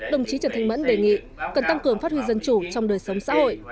đồng chí trần thanh mẫn đề nghị cần tăng cường phát huy dân chủ trong đời sống xã hội